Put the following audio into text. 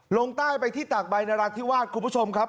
ลงใต้ไปที่ตากใบนราธิวาสคุณผู้ชมครับ